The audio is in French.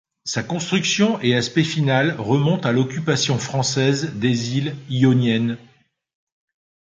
Sa construction et aspect final remonte à l'occupation française des îles Ioniennes.